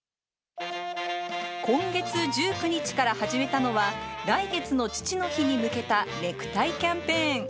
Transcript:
今月１９日から始めたのは、来月の父の日に向けたネクタイキャンペーン。